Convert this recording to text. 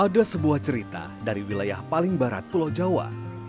ada sebuah cerita dari wilayah paling barat pulau jawa